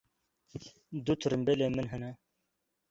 Du tirimbêlên min hene.